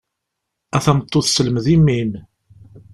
A tameṭṭut selmed i mmi-m!